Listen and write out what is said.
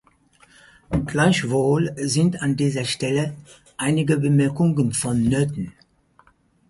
Gleichwohl sind an dieser Stelle einige Bemerkungen vonnöten.